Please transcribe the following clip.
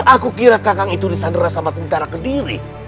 aku kira kakang itu disandera sama tentara kendiri